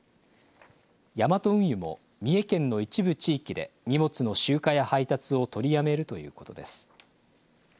ヤマト運輸も三重県の一部地域で荷物の集荷や配達を取りやめるということです。